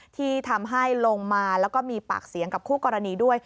ที่ทำให้ลงมาแล้วก็มีปากเสียงกับคู่กรณีด้วย